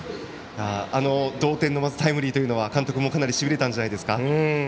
同点のタイムリーというのは監督もかなりしびれたんじゃないんでしょうか。